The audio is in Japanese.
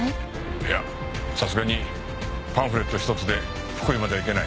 いやさすがにパンフレット１つで福井までは行けない。